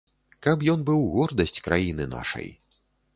Каб ён быў гордасць краіны нашай.